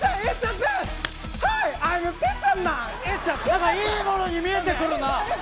何かいいものに見えてくるな。